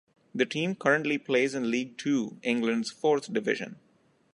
The team currently plays in League Two, England's fourth division.